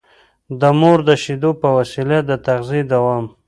د مور د شېدو په وسيله د تغذيې دوام